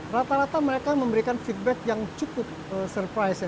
rata rata mereka memberikan feedback yang cukup surprise ya